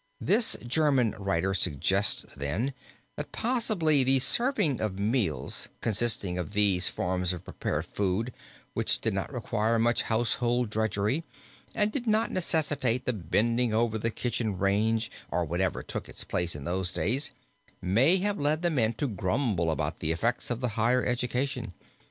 This German writer suggests then, that possibly the serving of meals consisting of these forms of prepared food, which did not require much household drudgery and did not necessitate the bending over the kitchen range or whatever took its place in those days, may have led the men to grumble about the effects of the higher education.